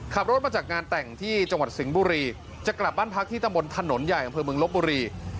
ขับรถมาจากงานแต่งที่จังหวัดสิงห์บุรีจะกลับบ้านพักที่ตำบลถนนใหญ่อำเภอเมืองลบบุรี